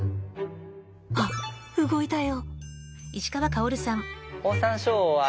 あ動いたよ。